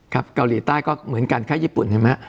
เกาหลีใต้ก็เหมือนกันแค่ญี่ปุ่นใช่ไหม